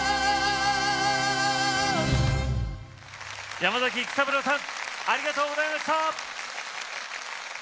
山崎育三郎さんありがとうございました。